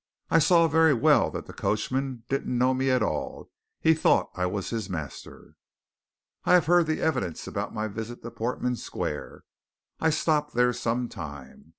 I saw very well that the coachman didn't know me at all he thought I was his master. "'"I have heard the evidence about my visit to Portman Square. I stopped there some time.